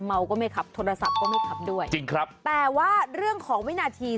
เมาก็ไม่ขับโทรศัพท์ก็ไม่ขับด้วยจริงครับแต่ว่าเรื่องของวินาที